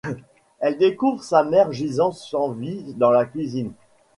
Elle découvre sa mère gisant sans vie dans la cuisine.